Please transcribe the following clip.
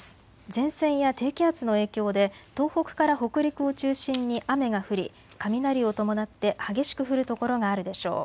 前線や低気圧の影響で東北から北陸を中心に雨が降り雷を伴って激しく降る所があるでしょう。